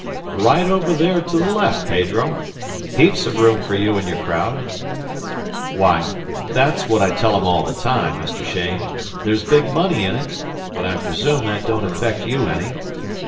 " Right over there to the left, Pedro. Heaps o' room for you and your crowd. Why, that's what I tell 'em all the time, Mr. Cheyne. There's big money in it, but I presume that don't affect you any.